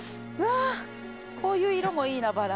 こういう色もいいなバラ。